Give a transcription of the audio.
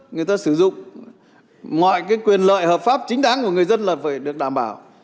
người ta sử dụng mọi cái quyền lợi hợp pháp chính đáng của người dân là phải được đảm bảo